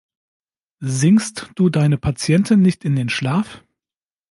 Singst du deine Patienten nicht in den Schlaf?